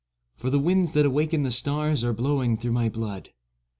For the winds that awakened the stars Are blowing through my blood.